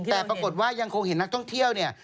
แต่ปรากฏว่ายังคงเห็นนักท่องเที่ยวเนี่ย